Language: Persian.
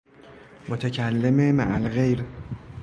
متکلم مع الغیر